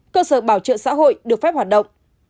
cơ sở bảo trợ xã hội được phép hoạt động